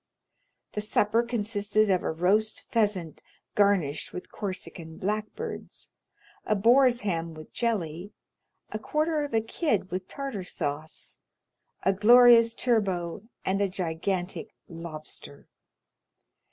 The supper consisted of a roast pheasant garnished with Corsican blackbirds; a boar's ham with jelly, a quarter of a kid with tartar sauce, a glorious turbot, and a gigantic lobster.